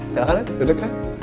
silahkan ya duduk ya